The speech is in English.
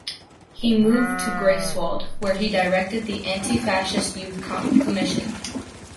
He moved to Greifswald, where he directed the antifascist youth commission.